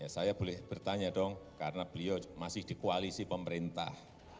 saya boleh bertanya dong karena beliau masih di koalisi pemerintah